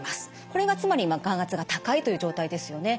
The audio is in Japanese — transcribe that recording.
これがつまり眼圧が高いという状態ですよね。